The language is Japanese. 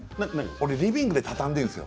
俺リビングで畳んでいるんですよ。